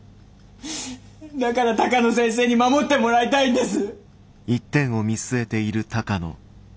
だから鷹野先生に守ってもらいたいんです！